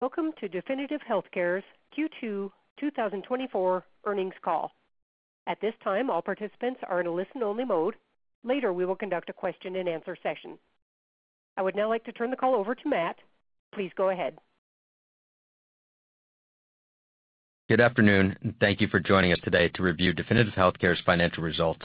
Welcome to Definitive Healthcare's Q2 2024 Earnings Call. At this time, all participants are in a listen-only mode. Later, we will conduct a question and answer session. I would now like to turn the call over to Matt. Please go ahead. Good afternoon, and thank you for joining us today to review Definitive Healthcare's financial results.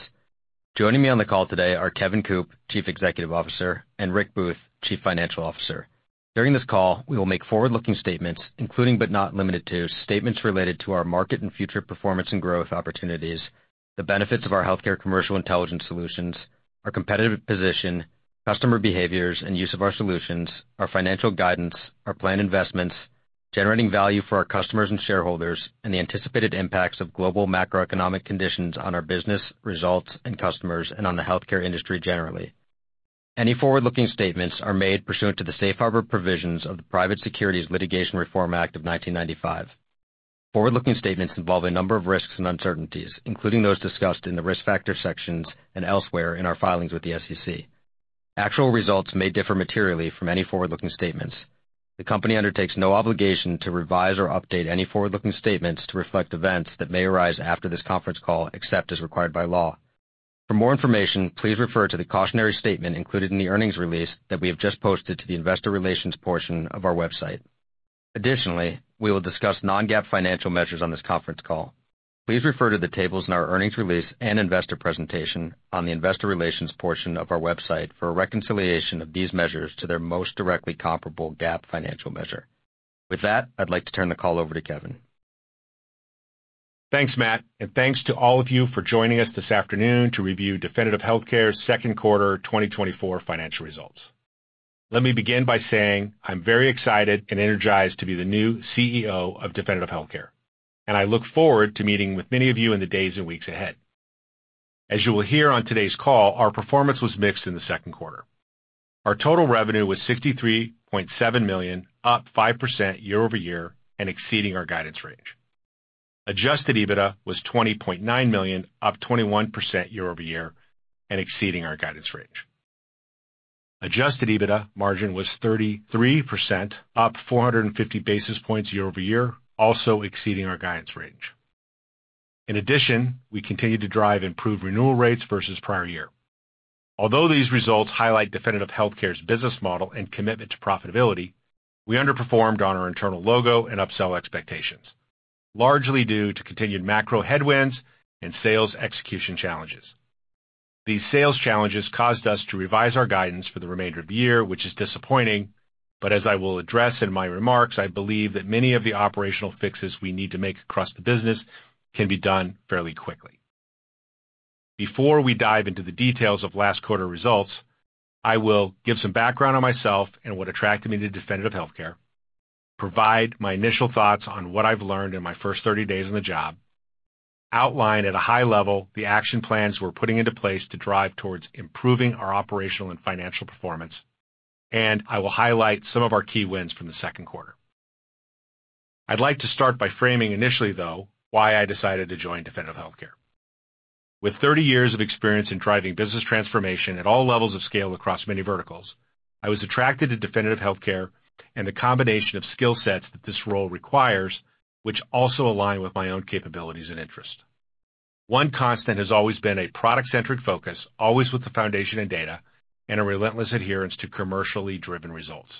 Joining me on the call today are Kevin Coop, Chief Executive Officer, and Rick Booth, Chief Financial Officer. During this call, we will make forward-looking statements, including, but not limited to, statements related to our market and future performance and growth opportunities, the benefits of our healthcare commercial intelligence solutions, our competitive position, customer behaviors, and use of our solutions, our financial guidance, our planned investments, generating value for our customers and shareholders, and the anticipated impacts of global macroeconomic conditions on our business results and customers, and on the healthcare industry generally. Any forward-looking statements are made pursuant to the safe harbor provisions of the Private Securities Litigation Reform Act of 1995. Forward-looking statements involve a number of risks and uncertainties, including those discussed in the Risk Factors sections and elsewhere in our filings with the SEC. Actual results may differ materially from any forward-looking statements. The company undertakes no obligation to revise or update any forward-looking statements to reflect events that may arise after this conference call, except as required by law. For more information, please refer to the cautionary statement included in the earnings release that we have just posted to the investor relations portion of our website. Additionally, we will discuss non-GAAP financial measures on this conference call. Please refer to the tables in our earnings release and investor presentation on the investor relations portion of our website for a reconciliation of these measures to their most directly comparable GAAP financial measure. With that, I'd like to turn the call over to Kevin. Thanks, Matt, and thanks to all of you for joining us this afternoon to review Definitive Healthcare's second quarter 2024 financial results. Let me begin by saying I'm very excited and energized to be the new CEO of Definitive Healthcare, and I look forward to meeting with many of you in the days and weeks ahead. As you will hear on today's call, our performance was mixed in the second quarter. Our total revenue was $63.7 million, up 5% year-over-year and exceeding our guidance range. Adjusted EBITDA was $20.9 million, up 21% year-over-year and exceeding our guidance range. Adjusted EBITDA margin was 33%, up 450 basis points year-over-year, also exceeding our guidance range. In addition, we continued to drive improved renewal rates versus prior year. Although these results highlight Definitive Healthcare's business model and commitment to profitability, we underperformed on our internal logo and upsell expectations, largely due to continued macro headwinds and sales execution challenges. These sales challenges caused us to revise our guidance for the remainder of the year, which is disappointing, but as I will address in my remarks, I believe that many of the operational fixes we need to make across the business can be done fairly quickly. Before we dive into the details of last quarter's results, I will give some background on myself and what attracted me to Definitive Healthcare, provide my initial thoughts on what I've learned in my first 30 days on the job, outline at a high level the action plans we're putting into place to drive towards improving our operational and financial performance, and I will highlight some of our key wins from the second quarter. I'd like to start by framing initially, though, why I decided to join Definitive Healthcare. With 30 years of experience in driving business transformation at all levels of scale across many verticals, I was attracted to Definitive Healthcare and the combination of skill sets that this role requires, which also align with my own capabilities and interests. One constant has always been a product-centric focus, always with the foundation and data, and a relentless adherence to commercially driven results.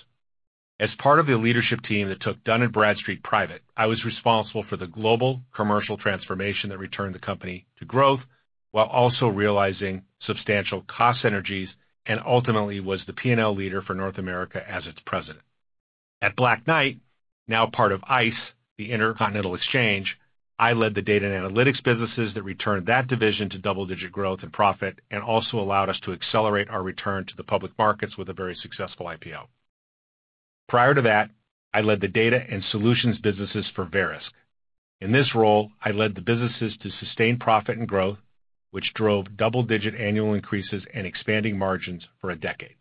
As part of the leadership team that took Dun & Bradstreet private, I was responsible for the global commercial transformation that returned the company to growth while also realizing substantial cost synergies, and ultimately was the P&L leader for North America as its president. At Black Knight, now part of ICE, the Intercontinental Exchange, I led the data and analytics businesses that returned that division to double-digit growth and profit and also allowed us to accelerate our return to the public markets with a very successful IPO. Prior to that, I led the data and solutions businesses for Verisk. In this role, I led the businesses to sustain profit and growth, which drove double-digit annual increases and expanding margins for a decade,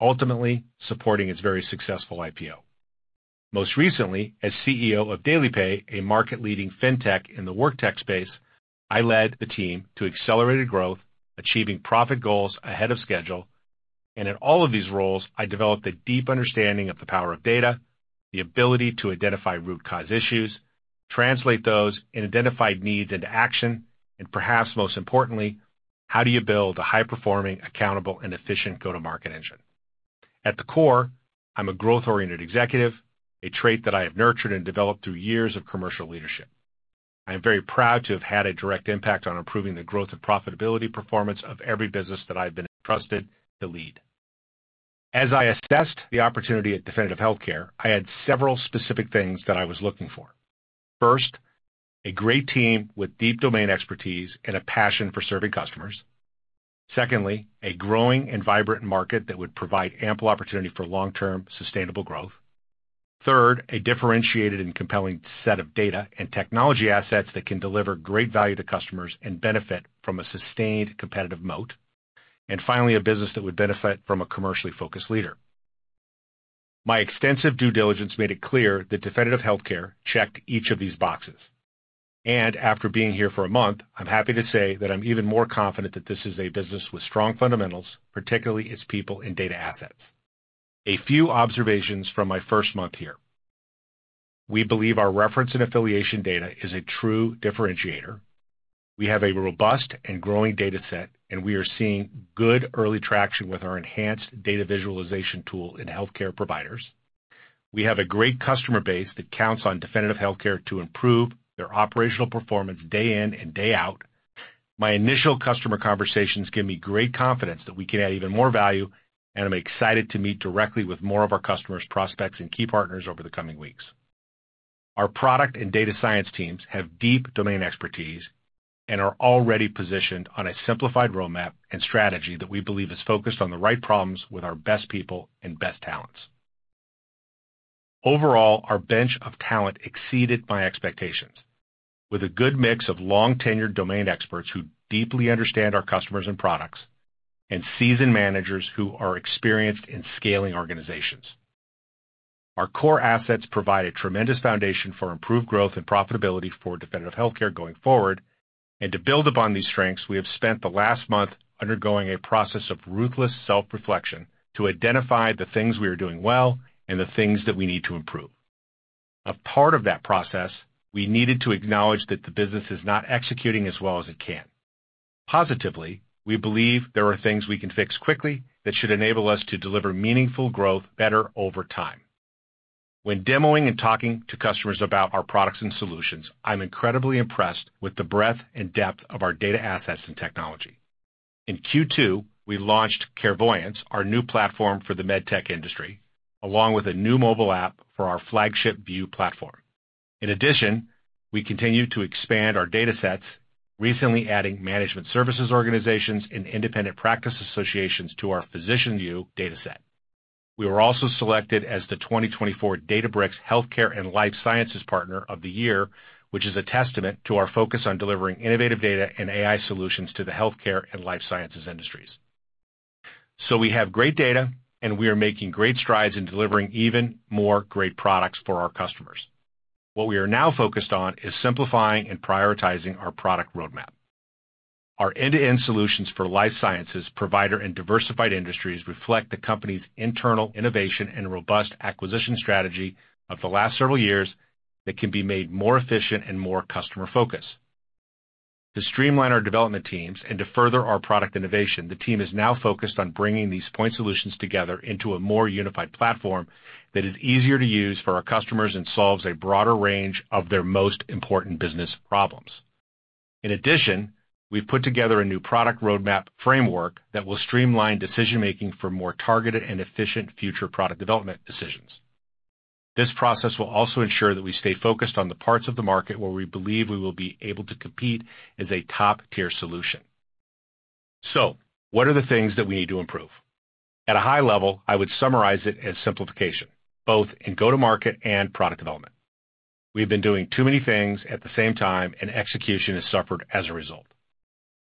ultimately supporting its very successful IPO. Most recently, as CEO of DailyPay, a market-leading fintech in the worktech space, I led the team to accelerated growth, achieving profit goals ahead of schedule. In all of these roles, I developed a deep understanding of the power of data, the ability to identify root cause issues, translate those and identified needs into action, and perhaps most importantly, how do you build a high-performing, accountable, and efficient go-to-market engine? At the core, I'm a growth-oriented executive, a trait that I have nurtured and developed through years of commercial leadership. I am very proud to have had a direct impact on improving the growth and profitability performance of every business that I've been trusted to lead. As I assessed the opportunity at Definitive Healthcare, I had several specific things that I was looking for. First, a great team with deep domain expertise and a passion for serving customers. Secondly, a growing and vibrant market that would provide ample opportunity for long-term sustainable growth. Third, a differentiated and compelling set of data and technology assets that can deliver great value to customers and benefit from a sustained competitive moat. And finally, a business that would benefit from a commercially focused leader. My extensive due diligence made it clear that Definitive Healthcare checked each of these boxes. And after being here for a month, I'm happy to say that I'm even more confident that this is a business with strong fundamentals, particularly its people and data assets. A few observations from my first month here. We believe our reference and affiliation data is a true differentiator. We have a robust and growing data set, and we are seeing good early traction with our enhanced data visualization tool in healthcare providers. We have a great customer base that counts on Definitive Healthcare to improve their operational performance day in and day out. My initial customer conversations give me great confidence that we can add even more value, and I'm excited to meet directly with more of our customers, prospects, and key partners over the coming weeks. Our product and data science teams have deep domain expertise and are already positioned on a simplified roadmap and strategy that we believe is focused on the right problems with our best people and best talents. Overall, our bench of talent exceeded my expectations, with a good mix of long-tenured domain experts who deeply understand our customers and products, and seasoned managers who are experienced in scaling organizations. Our core assets provide a tremendous foundation for improved growth and profitability for Definitive Healthcare going forward, and to build upon these strengths, we have spent the last month undergoing a process of ruthless self-reflection to identify the things we are doing well and the things that we need to improve. A part of that process, we needed to acknowledge that the business is not executing as well as it can. Positively, we believe there are things we can fix quickly that should enable us to deliver meaningful growth better over time. When demoing and talking to customers about our products and solutions, I'm incredibly impressed with the breadth and depth of our data assets and technology. In Q2, we launched Carevoyance, our new platform for the medtech industry, along with a new mobile app for our flagship View platform. In addition, we continued to expand our datasets, recently adding management services organizations and independent practice associations to our PhysicianView dataset. We were also selected as the 2024 Databricks Healthcare and Life Sciences Partner of the Year, which is a testament to our focus on delivering innovative data and AI solutions to the healthcare and life sciences industries. So we have great data, and we are making great strides in delivering even more great products for our customers. What we are now focused on is simplifying and prioritizing our product roadmap. Our end-to-end solutions for life sciences, provider, and diversified industries reflect the company's internal innovation and robust acquisition strategy of the last several years that can be made more efficient and more customer-focused. To streamline our development teams and to further our product innovation, the team is now focused on bringing these point solutions together into a more unified platform that is easier to use for our customers and solves a broader range of their most important business problems. In addition, we've put together a new product roadmap framework that will streamline decision-making for more targeted and efficient future product development decisions. This process will also ensure that we stay focused on the parts of the market where we believe we will be able to compete as a top-tier solution. So what are the things that we need to improve? At a high level, I would summarize it as simplification, both in go-to-market and product development. We've been doing too many things at the same time, and execution has suffered as a result.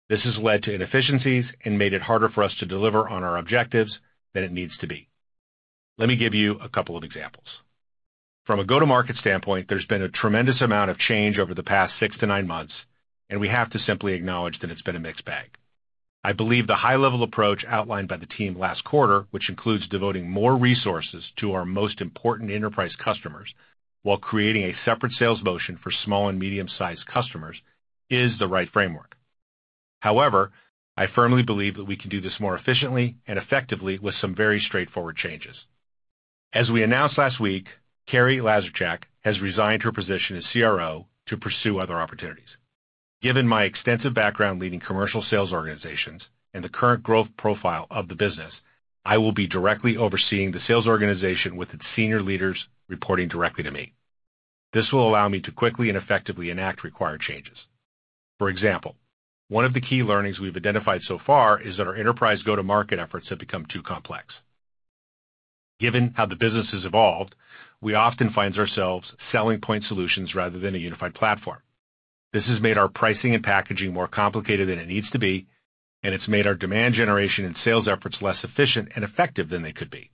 This has led to inefficiencies and made it harder for us to deliver on our objectives than it needs to be. Let me give you a couple of examples. From a go-to-market standpoint, there's been a tremendous amount of change over the past six to nine months, and we have to simply acknowledge that it's been a mixed bag. I believe the high level approach outlined by the team last quarter, which includes devoting more resources to our most important enterprise customers while creating a separate sales motion for small and medium-sized customers, is the right framework. However, I firmly believe that we can do this more efficiently and effectively with some very straightforward changes. As we announced last week, Carrie Lazorchak has resigned her position as CRO to pursue other opportunities. Given my extensive background leading commercial sales organizations and the current growth profile of the business, I will be directly overseeing the sales organization, with its senior leaders reporting directly to me. This will allow me to quickly and effectively enact required changes. For example, one of the key learnings we've identified so far is that our enterprise go-to-market efforts have become too complex. Given how the business has evolved, we often find ourselves selling point solutions rather than a unified platform. This has made our pricing and packaging more complicated than it needs to be, and it's made our demand generation and sales efforts less efficient and effective than they could be.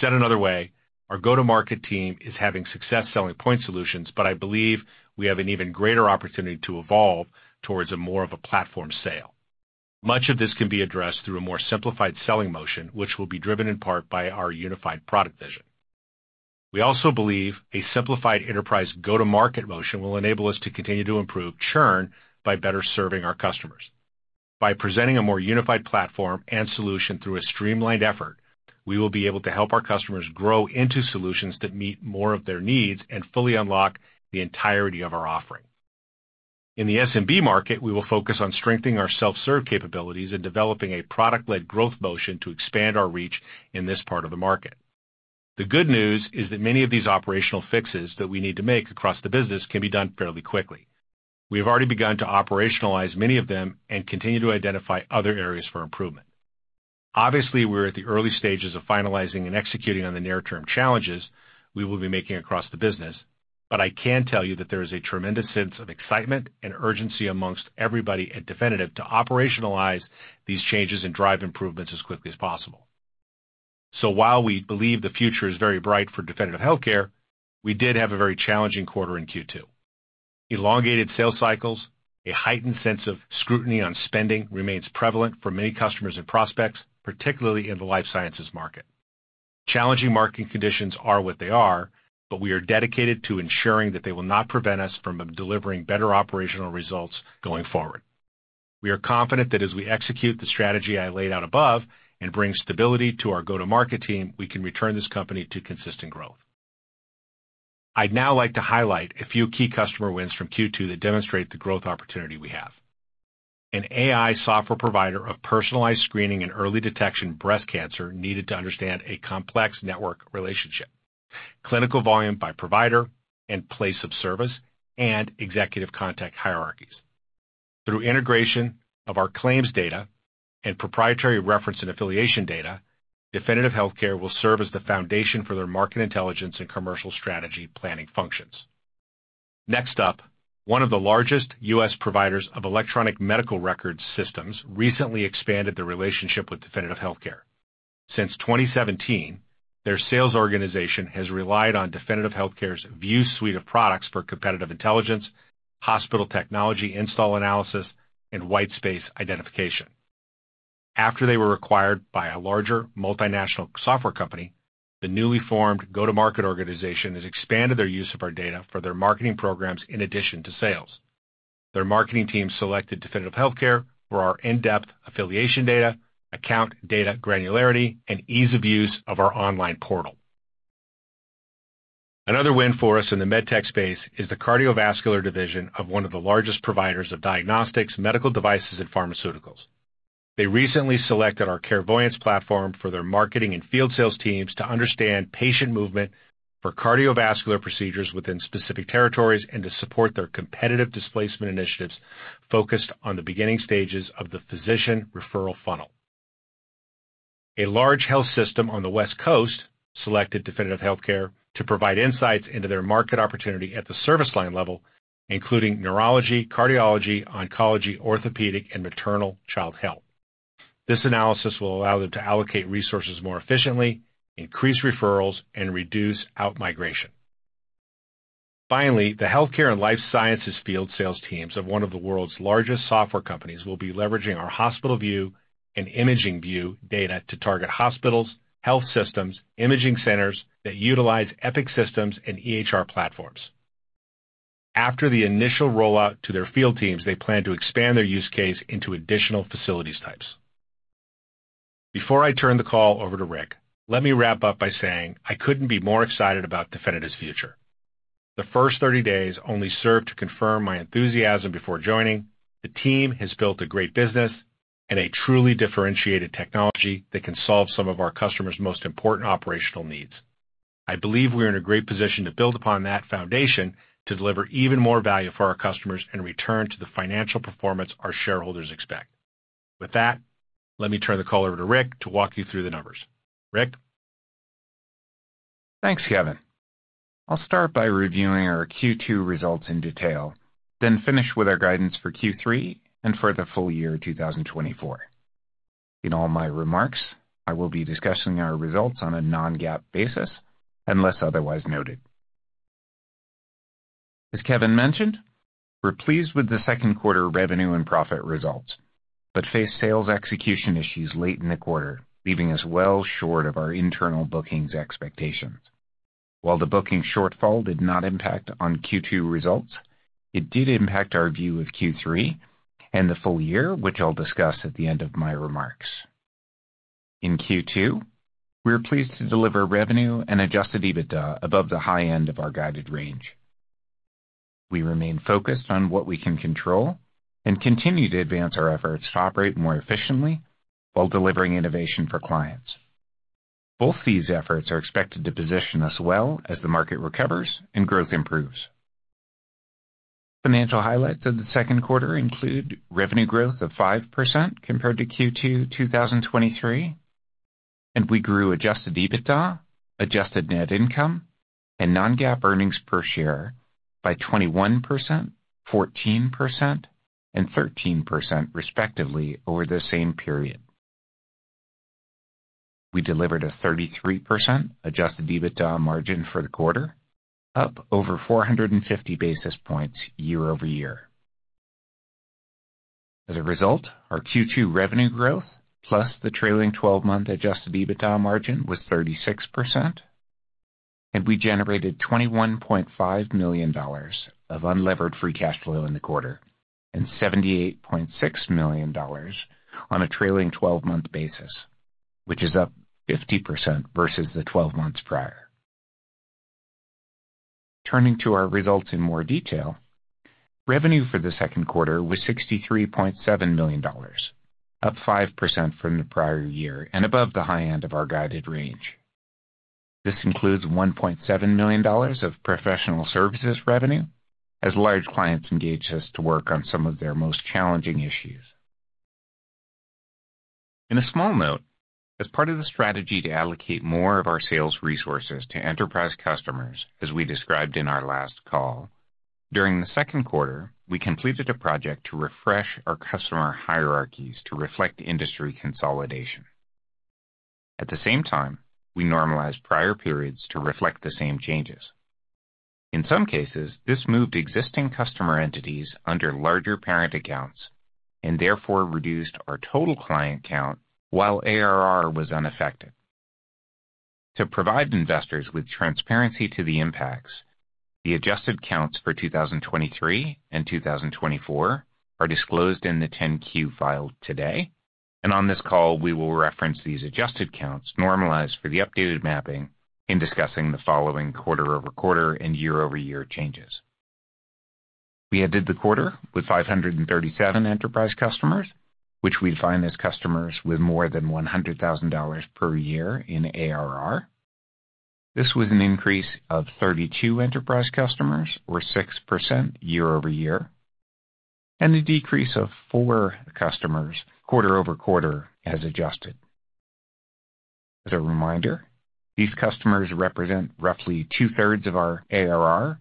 Said another way, our go-to-market team is having success selling point solutions, but I believe we have an even greater opportunity to evolve towards a more of a platform sale. Much of this can be addressed through a more simplified selling motion, which will be driven in part by our unified product vision. We also believe a simplified enterprise go-to-market motion will enable us to continue to improve churn by better serving our customers. By presenting a more unified platform and solution through a streamlined effort, we will be able to help our customers grow into solutions that meet more of their needs and fully unlock the entirety of our offering. In the SMB market, we will focus on strengthening our self-serve capabilities and developing a product-led growth motion to expand our reach in this part of the market. The good news is that many of these operational fixes that we need to make across the business can be done fairly quickly. We have already begun to operationalize many of them and continue to identify other areas for improvement. Obviously, we're at the early stages of finalizing and executing on the near term challenges we will be making across the business, but I can tell you that there is a tremendous sense of excitement and urgency amongst everybody at Definitive to operationalize these changes and drive improvements as quickly as possible. So while we believe the future is very bright for Definitive Healthcare, we did have a very challenging quarter in Q2. Elongated sales cycles, a heightened sense of scrutiny on spending remains prevalent for many customers and prospects, particularly in the life sciences market. Challenging market conditions are what they are, but we are dedicated to ensuring that they will not prevent us from delivering better operational results going forward. We are confident that as we execute the strategy I laid out above and bring stability to our go-to-market team, we can return this company to consistent growth. I'd now like to highlight a few key customer wins from Q2 that demonstrate the growth opportunity we have. An AI software provider of personalized screening and early detection breast cancer needed to understand a complex network relationship, clinical volume by provider and place of service, and executive contact hierarchies. Through integration of our claims data and proprietary reference and affiliation data, Definitive Healthcare will serve as the foundation for their market intelligence and commercial strategy planning functions. Next up, one of the largest U.S. providers of electronic medical records systems recently expanded their relationship with Definitive Healthcare. Since 2017, their sales organization has relied on Definitive Healthcare's View Suite of products for competitive intelligence, hospital technology, install analysis, and white space identification. After they were acquired by a larger multinational software company, the newly formed go-to-market organization has expanded their use of our data for their marketing programs in addition to sales. Their marketing team selected Definitive Healthcare for our in-depth affiliation data, account data granularity, and ease of use of our online portal. Another win for us in the medtech space is the cardiovascular division of one of the largest providers of diagnostics, medical devices, and pharmaceuticals. They recently selected our Carevoyance platform for their marketing and field sales teams to understand patient movement for cardiovascular procedures within specific territories, and to support their competitive displacement initiatives focused on the beginning stages of the physician referral funnel. A large health system on the West Coast selected Definitive Healthcare to provide insights into their market opportunity at the service line level, including neurology, cardiology, oncology, orthopedic, and maternal child health. This analysis will allow them to allocate resources more efficiently, increase referrals, and reduce outmigration. Finally, the healthcare and life sciences field sales teams of one of the world's largest software companies will be leveraging our HospitalView and ImagingView data to target hospitals, health systems, imaging centers that utilize Epic Systems and EHR platforms. After the initial rollout to their field teams, they plan to expand their use case into additional facilities types. Before I turn the call over to Rick, let me wrap up by saying I couldn't be more excited about Definitive's future. The first 30 days only served to confirm my enthusiasm before joining. The team has built a great business and a truly differentiated technology that can solve some of our customers' most important operational needs. I believe we're in a great position to build upon that foundation to deliver even more value for our customers and return to the financial performance our shareholders expect. With that, let me turn the call over to Rick to walk you through the numbers. Rick? Thanks, Kevin. I'll start by reviewing our Q2 results in detail, then finish with our guidance for Q3 and for the full year 2024. In all my remarks, I will be discussing our results on a Non-GAAP basis, unless otherwise noted. As Kevin mentioned, we're pleased with the second quarter revenue and profit results, but faced sales execution issues late in the quarter, leaving us well short of our internal bookings expectations. While the booking shortfall did not impact on Q2 results, it did impact our view of Q3 and the full year, which I'll discuss at the end of my remarks. In Q2, we were pleased to deliver revenue and adjusted EBITDA above the high end of our guided range. We remain focused on what we can control and continue to advance our efforts to operate more efficiently while delivering innovation for clients. Both these efforts are expected to position us well as the market recovers and growth improves. Financial highlights of the second quarter include revenue growth of 5% compared to Q2 2023, and we grew adjusted EBITDA, adjusted net income, and non-GAAP earnings per share by 21%, 14%, and 13%, respectively, over the same period. We delivered a 33% adjusted EBITDA margin for the quarter, up over 450 basis points year-over-year. As a result, our Q2 revenue growth, plus the trailing twelve-month adjusted EBITDA margin, was 36%, and we generated $21.5 million of unlevered free cash flow in the quarter, and $78.6 million on a trailing twelve-month basis, which is up 50% versus the twelve months prior. Turning to our results in more detail, revenue for the second quarter was $63.7 million, up 5% from the prior year and above the high end of our guided range. This includes $1.7 million of professional services revenue as large clients engaged us to work on some of their most challenging issues. In a small note, as part of the strategy to allocate more of our sales resources to enterprise customers, as we described in our last call. During the second quarter, we completed a project to refresh our customer hierarchies to reflect industry consolidation. At the same time, we normalized prior periods to reflect the same changes. In some cases, this moved existing customer entities under larger parent accounts and therefore reduced our total client count, while ARR was unaffected. To provide investors with transparency to the impacts, the adjusted counts for 2023 and 2024 are disclosed in the 10-Q filed today, and on this call, we will reference these adjusted counts normalized for the updated mapping in discussing the following quarter-over-quarter and year-over-year changes. We ended the quarter with 537 enterprise customers, which we define as customers with more than $100,000 per year in ARR. This was an increase of 32 enterprise customers, or 6% year-over-year, and a decrease of 4 customers quarter-over-quarter as adjusted. As a reminder, these customers represent roughly 2/3 of our ARR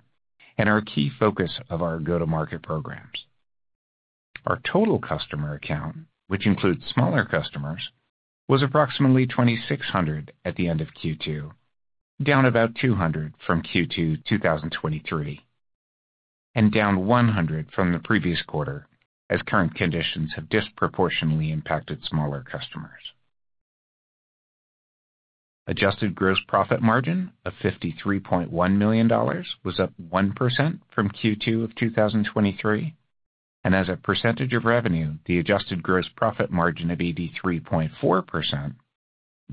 and are a key focus of our go-to-market programs. Our total customer count, which includes smaller customers, was approximately 2,600 at the end of Q2, down about 200 from Q2 2023, and down 100 from the previous quarter, as current conditions have disproportionately impacted smaller customers. Adjusted gross profit margin of $53.1 million was up 1% from Q2 2023, and as a percentage of revenue, the adjusted gross profit margin of 83.4%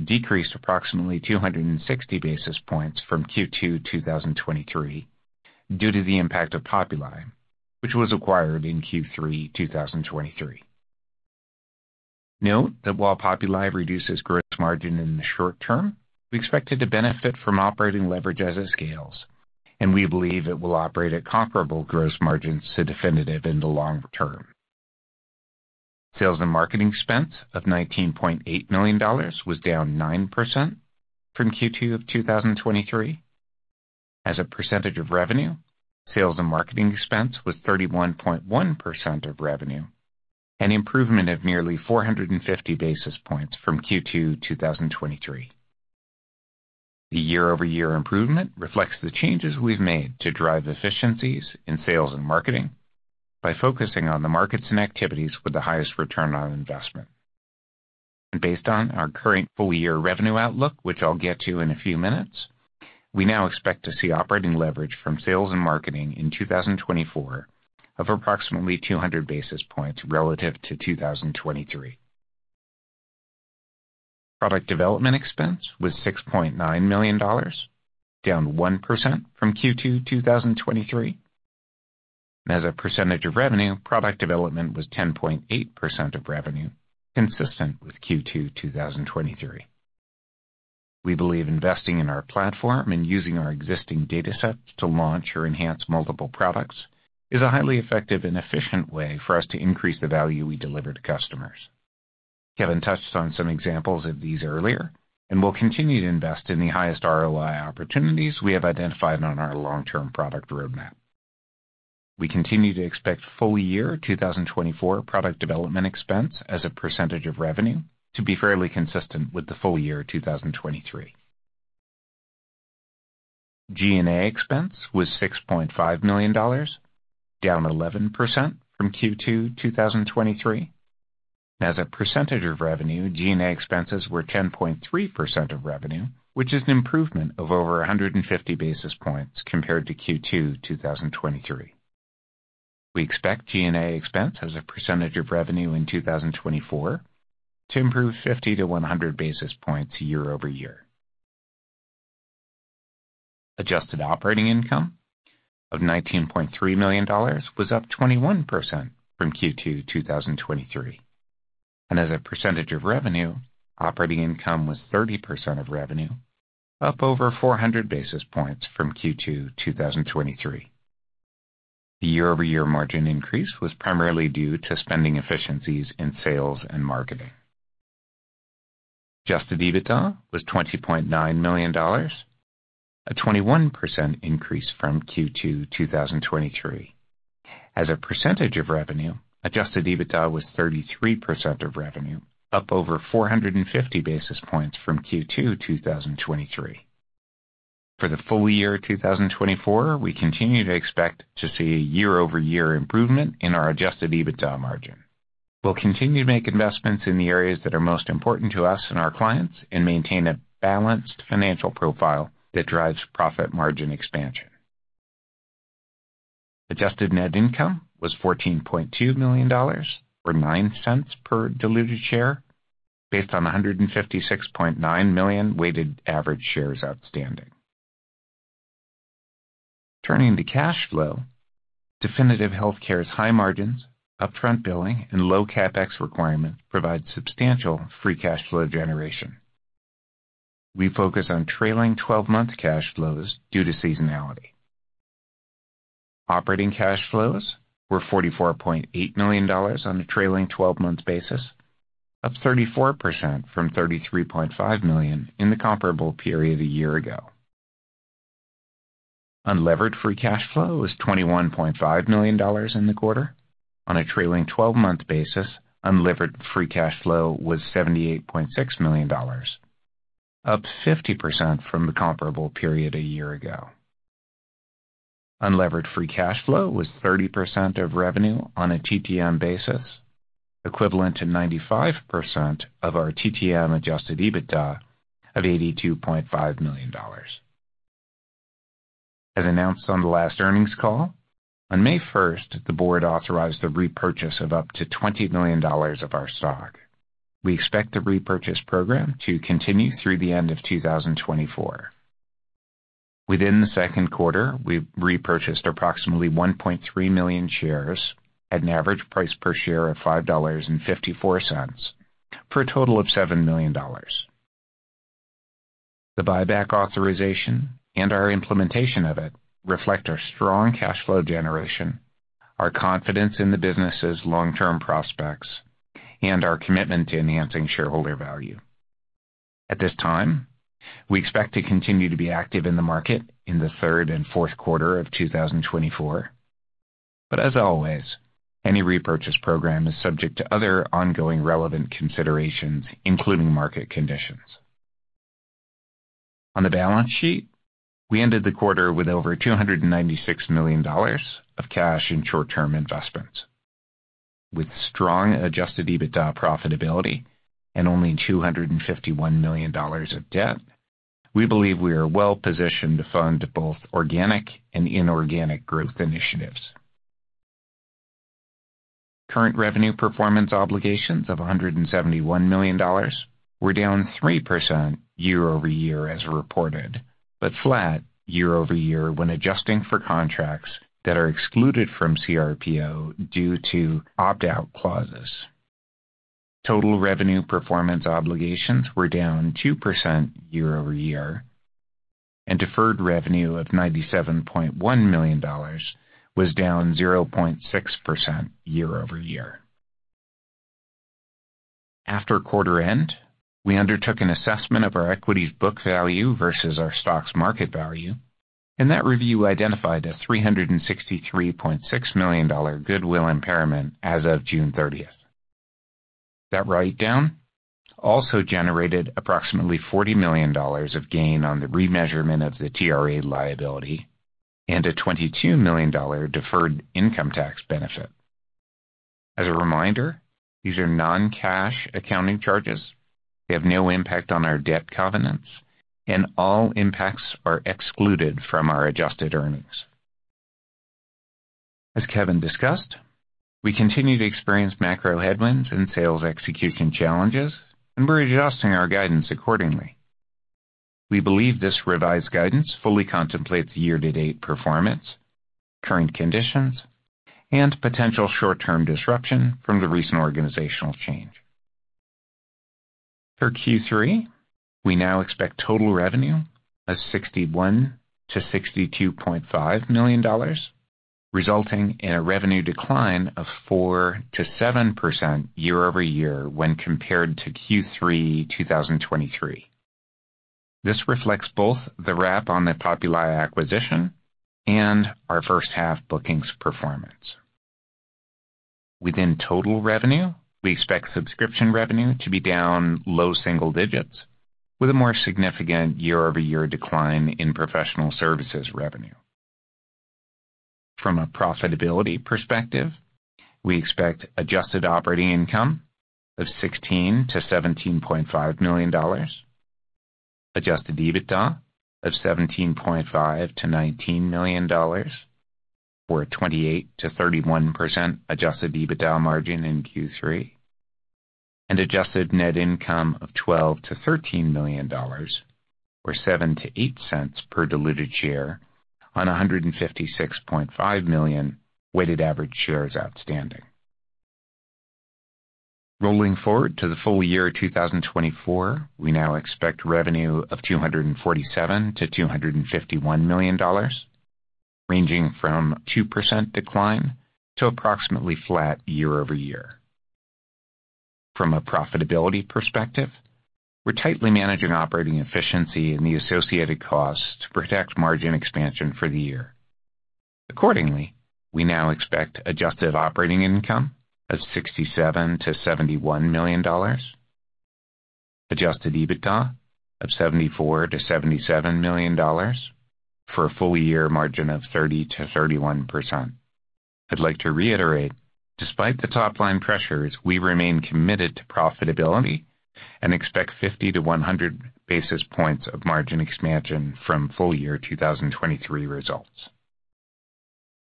decreased approximately 260 basis points from Q2 2023, due to the impact of Populi, which was acquired in Q3 2023. Note that while Populi reduces gross margin in the short term, we expect it to benefit from operating leverage as it scales, and we believe it will operate at comparable gross margins to Definitive in the long term. Sales and marketing expense of $19.8 million was down 9% from Q2 of 2023. As a percentage of revenue, sales and marketing expense was 31.1% of revenue, an improvement of nearly 450 basis points from Q2 2023. The year-over-year improvement reflects the changes we've made to drive efficiencies in sales and marketing by focusing on the markets and activities with the highest return on investment. And based on our current full year revenue outlook, which I'll get to in a few minutes, we now expect to see operating leverage from sales and marketing in 2024 of approximately 200 basis points relative to 2023. Product development expense was $6.9 million, down 1% from Q2 2023. As a percentage of revenue, product development was 10.8% of revenue, consistent with Q2 2023. We believe investing in our platform and using our existing datasets to launch or enhance multiple products is a highly effective and efficient way for us to increase the value we deliver to customers. Kevin touched on some examples of these earlier, and we'll continue to invest in the highest ROI opportunities we have identified on our long-term product roadmap. We continue to expect full year 2024 product development expense as a percentage of revenue to be fairly consistent with the full year 2023. G&A expense was $6.5 million, down 11% from Q2 2023. As a percentage of revenue, G&A expenses were 10.3% of revenue, which is an improvement of over 150 basis points compared to Q2 2023. We expect G&A expense as a percentage of revenue in 2024 to improve 50 to 100 basis points year-over-year. Adjusted operating income of $19.3 million was up 21% from Q2 2023, and as a percentage of revenue, operating income was 30% of revenue, up over 400 basis points from Q2 2023. The year-over-year margin increase was primarily due to spending efficiencies in sales and marketing. Adjusted EBITDA was $20.9 million, a 21% increase from Q2 2023. As a percentage of revenue, adjusted EBITDA was 33% of revenue, up over 450 basis points from Q2 2023. For the full year 2024, we continue to expect to see a year-over-year improvement in our adjusted EBITDA margin. We'll continue to make investments in the areas that are most important to us and our clients and maintain a balanced financial profile that drives profit margin expansion. Adjusted net income was $14.2 million, or $0.09 per diluted share, based on 156.9 million weighted average shares outstanding. Turning to cash flow, Definitive Healthcare's high margins, upfront billing, and low CapEx requirements provide substantial free cash flow generation. We focus on trailing 12 month cash flows due to seasonality. Operating cash flows were $44.8 million on a trailing 12 month basis. Up 34% from $33.5 million in the comparable period a year ago. Unlevered free cash flow was $21.5 million in the quarter. On a trailing 12 month basis, unlevered free cash flow was $78.6 million, up 50% from the comparable period a year ago. Unlevered free cash flow was 30% of revenue on a TTM basis, equivalent to 95% of our TTM adjusted EBITDA of $82.5 million. As announced on the last earnings call, on May 1st, the board authorized the repurchase of up to $20 million of our stock. We expect the repurchase program to continue through the end of 2024. Within the second quarter, we've repurchased approximately 1.3 million shares at an average price per share of $5.54, for a total of $7 million. The buyback authorization and our implementation of it reflect our strong cash flow generation, our confidence in the business's long-term prospects, and our commitment to enhancing shareholder value. At this time, we expect to continue to be active in the market in the third and fourth quarter of 2024, but as always, any repurchase program is subject to other ongoing relevant considerations, including market conditions. On the balance sheet, we ended the quarter with over $296 million of cash and short-term investments. With strong adjusted EBITDA profitability and only $251 million of debt, we believe we are well positioned to fund both organic and inorganic growth initiatives. Current remaining performance obligations of $171 million were down 3% year-over-year as reported, but flat year-over-year when adjusting for contracts that are excluded from CRPO due to opt-out clauses. Total remaining performance obligations were down 2% year-over-year, and deferred revenue of $97.1 million was down 0.6% year-over-year. After quarter end, we undertook an assessment of our equity's book value versus our stock's market value, and that review identified a $363.6 million goodwill impairment as of June thirtieth. That write-down also generated approximately $40 million of gain on the remeasurement of the TRA liability and a $22 million deferred income tax benefit. As a reminder, these are non-cash accounting charges. They have no impact on our debt covenants, and all impacts are excluded from our adjusted earnings. As Kevin discussed, we continue to experience macro headwinds and sales execution challenges, and we're adjusting our guidance accordingly. We believe this revised guidance fully contemplates the year-to-date performance, current conditions, and potential short-term disruption from the recent organizational change. For Q3, we now expect total revenue of $61 million to $62.5 million, resulting in a revenue decline of 4% to 7% year-over-year when compared to Q3 2023. This reflects both the wrap on the Populi acquisition and our first half bookings performance. Within total revenue, we expect subscription revenue to be down low single digits, with a more significant year-over-year decline in professional services revenue. From a profitability perspective, we expect adjusted operating income of $16 million to $17.5 million, adjusted EBITDA of $17.5 million to $19 million, or a 28% to 31% adjusted EBITDA margin in Q3, and adjusted net income of $12 million to $13 million, or $.07 to $.08 per diluted share on a $156.5 million weighted average shares outstanding. Rolling forward to the full year 2024, we now expect revenue of $247 million to $251 million, ranging from 2% decline to approximately flat year-over-year. From a profitability perspective, we're tightly managing operating efficiency and the associated costs to protect margin expansion for the year. Accordingly, we now expect adjusted operating income of $67 million to $71 million, adjusted EBITDA of $74 million to $77 million for a full year margin of 30% to 31%. I'd like to reiterate, despite the top-line pressures, we remain committed to profitability and expect 50 to 100 basis points of margin expansion from full year 2023 results.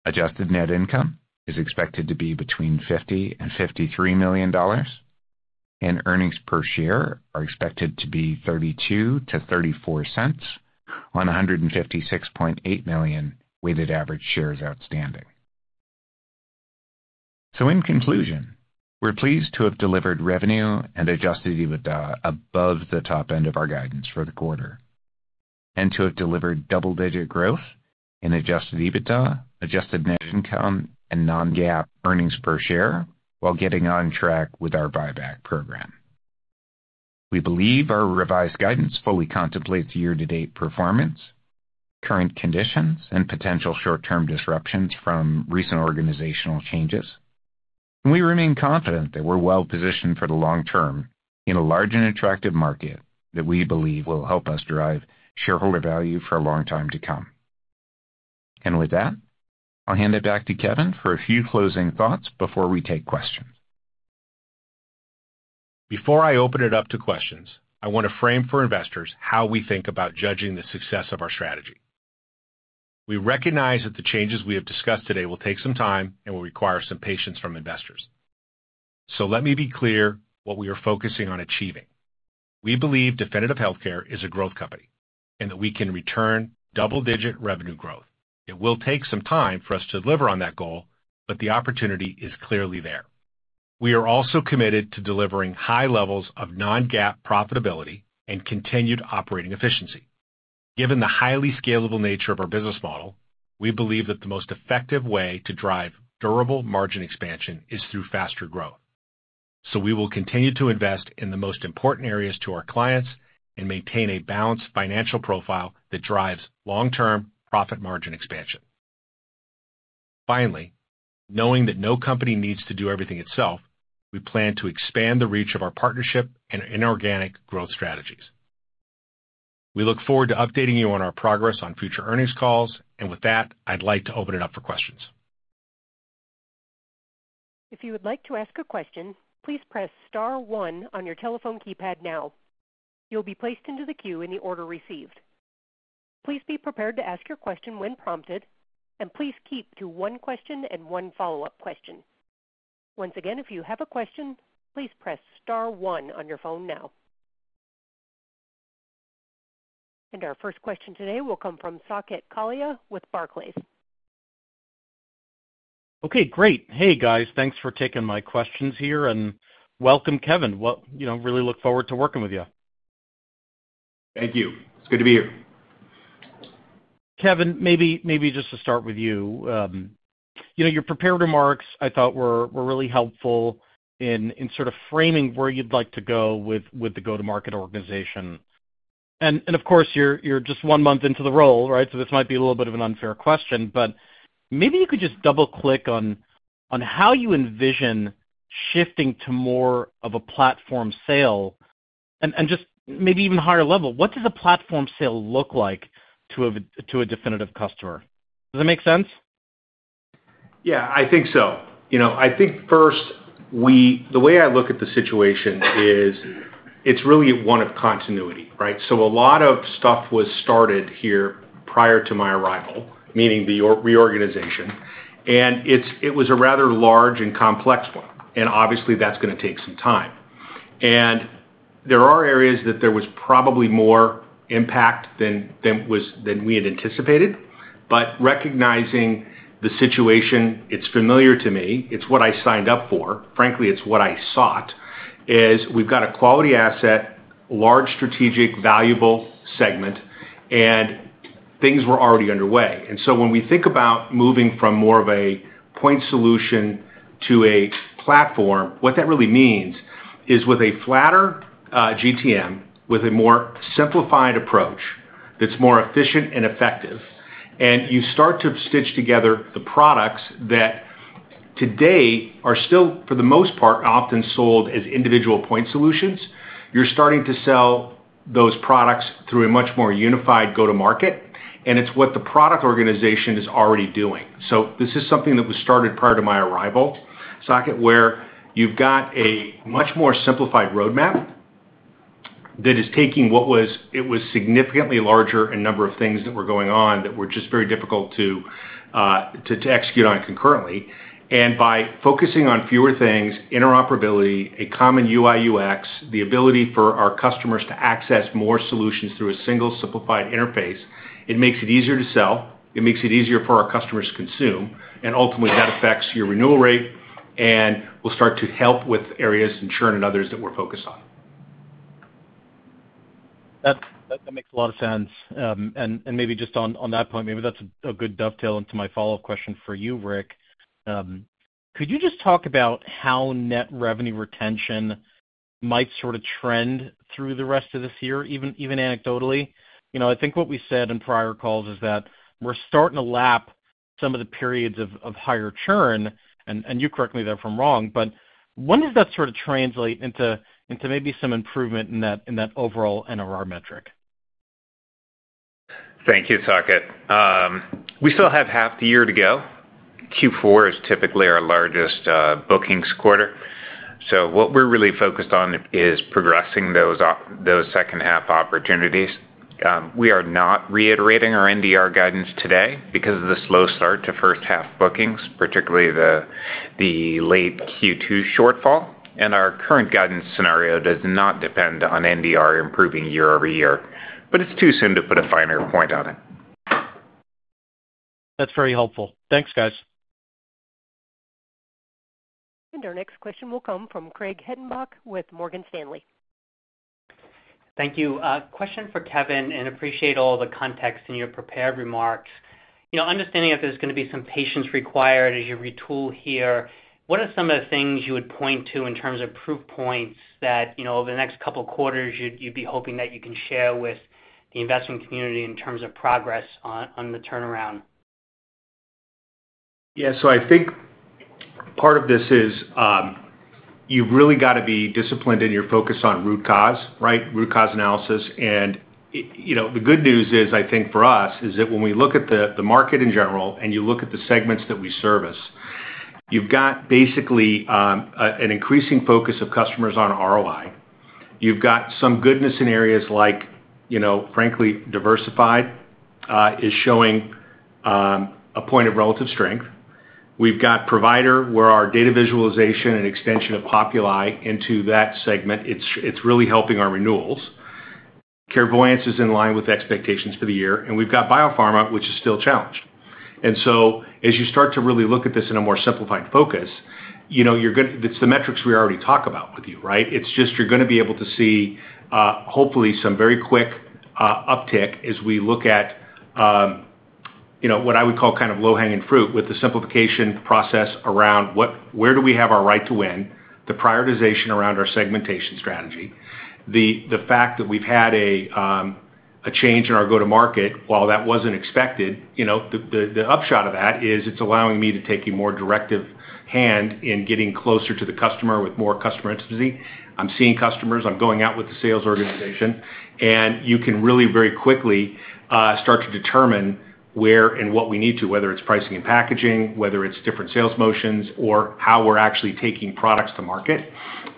Adjusted net income is expected to be between $50 million and $53 million, and earnings per share are expected to be $0.32 to $0.34 on a $156.8 million weighted average shares outstanding. So in conclusion, we're pleased to have delivered revenue and adjusted EBITDA above the top end of our guidance for the quarter... and to have delivered double-digit growth in adjusted EBITDA, adjusted net income, and non-GAAP earnings per share, while getting on track with our buyback program. We believe our revised guidance fully contemplates year-to-date performance, current conditions, and potential short-term disruptions from recent organizational changes. We remain confident that we're well positioned for the long term in a large and attractive market that we believe will help us drive shareholder value for a long time to come. With that, I'll hand it back to Kevin for a few closing thoughts before we take questions. Before I open it up to questions, I want to frame for investors how we think about judging the success of our strategy. We recognize that the changes we have discussed today will take some time and will require some patience from investors. So let me be clear what we are focusing on achieving. We believe Definitive Healthcare is a growth company, and that we can return double-digit revenue growth. It will take some time for us to deliver on that goal, but the opportunity is clearly there. We are also committed to delivering high levels of non-GAAP profitability and continued operating efficiency. Given the highly scalable nature of our business model, we believe that the most effective way to drive durable margin expansion is through faster growth. So we will continue to invest in the most important areas to our clients and maintain a balanced financial profile that drives long-term profit margin expansion. Finally, knowing that no company needs to do everything itself, we plan to expand the reach of our partnership and inorganic growth strategies. We look forward to updating you on our progress on future earnings calls, and with that, I'd like to open it up for questions. If you would like to ask a question, please press star one on your telephone keypad now. You'll be placed into the queue in the order received. Please be prepared to ask your question when prompted, and please keep to one question and one follow-up question. Once again, if you have a question, please press star one on your phone now. Our first question today will come from Saket Kalia with Barclays. Okay, great. Hey, guys. Thanks for taking my questions here, and welcome, Kevin. Well, you know, really look forward to working with you. Thank you. It's good to be here. Kevin, maybe, maybe just to start with you. You know, your prepared remarks, I thought were, were really helpful in, in sort of framing where you'd like to go with, with the go-to-market organization. And, and of course, you're, you're just one month into the role, right? So this might be a little bit of an unfair question, but maybe you could just double-click on, on how you envision shifting to more of a platform sale and, and just maybe even higher level. What does a platform sale look like to a, to a Definitive customer? Does that make sense? Yeah, I think so. You know, I think first, the way I look at the situation is it's really one of continuity, right? So a lot of stuff was started here prior to my arrival, meaning the organization reorganization, and it was a rather large and complex one, and obviously, that's gonna take some time. And there are areas that there was probably more impact than we had anticipated. But recognizing the situation, it's familiar to me. It's what I signed up for. Frankly, it's what I sought; we've got a quality asset, large strategic, valuable segment, and things were already underway. And so when we think about moving from more of a point solution to a platform, what that really means is with a flatter GTM, with a more simplified approach that's more efficient and effective, and you start to stitch together the products that today are still, for the most part, often sold as individual point solutions, you're starting to sell those products through a much more unified go-to-market, and it's what the product organization is already doing. So this is something that was started prior to my arrival. Saket, where you've got a much more simplified roadmap that is taking what was, it was significantly larger in number of things that were going on that were just very difficult to execute on concurrently. By focusing on fewer things, interoperability, a common UI, UX, the ability for our customers to access more solutions through a single simplified interface, it makes it easier to sell. It makes it easier for our customers to consume, and ultimately, that affects your renewal rate and will start to help with areas, churn and others that we're focused on. That, that makes a lot of sense. And, and maybe just on, on that point, maybe that's a, a good dovetail into my follow-up question for you, Rick. Could you just talk about how net revenue retention might sort of trend through the rest of this year, even, even anecdotally? You know, I think what we said in prior calls is that we're starting to lap some of the periods of, of higher churn, and, and you correct me there if I'm wrong, but when does that sort of translate into, into maybe some improvement in that, in that overall NRR metric? Thank you, Saket. We still have half the year to go. Q4 is typically our largest bookings quarter. So what we're really focused on is progressing those second-half opportunities. We are not reiterating our NDR guidance today because of the slow start to first half bookings, particularly the late Q2 shortfall, and our current guidance scenario does not depend on NDR improving year-over-year, but it's too soon to put a finer point on it. That's very helpful. Thanks, guys. Our next question will come from Craig Hettenbach with Morgan Stanley. Thank you. Question for Kevin, and appreciate all the context in your prepared remarks. You know, understanding that there's gonna be some patience required as you retool here, what are some of the things you would point to in terms of proof points that, you know, over the next couple quarters, you'd be hoping that you can share with the investment community in terms of progress on the turnaround? Yeah. So I think part of this is, you've really gotta be disciplined in your focus on root cause, right? Root cause analysis. And, you know, the good news is, I think for us, is that when we look at the market in general, and you look at the segments that we service, you've got basically, an increasing focus of customers on ROI. You've got some goodness in areas like, you know, frankly, diversified is showing a point of relative strength. We've got provider, where our data visualization and extension of Populi into that segment, it's really helping our renewals. Carevoyance is in line with expectations for the year, and we've got biopharma, which is still challenged. And so as you start to really look at this in a more simplified focus, you know, you're it's the metrics we already talk about with you, right? It's just you're gonna be able to see, hopefully, some very quick uptick as we look at, you know, what I would call kind of low-hanging fruit with the simplification process around where do we have our right to win, the prioritization around our segmentation strategy, the fact that we've had a a change in our go-to-market, while that wasn't expected, you know, the upshot of that is it's allowing me to take a more directive hand in getting closer to the customer with more customer intimacy. I'm seeing customers. I'm going out with the sales organization, and you can really very quickly start to determine where and what we need to, whether it's pricing and packaging, whether it's different sales motions, or how we're actually taking products to market.